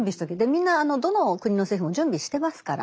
みんなどの国の政府も準備してますから